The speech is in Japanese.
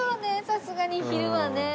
さすがに昼はね。